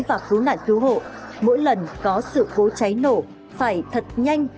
và cứu nạn cứu hộ mỗi lần có sự cố cháy nổ phải thật nhanh